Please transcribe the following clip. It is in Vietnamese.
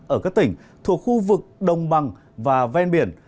ở các tỉnh thuộc khu vực đồng bằng và ven biển